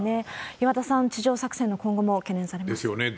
岩田さん、地上作戦の今後も懸念されます。ですよね。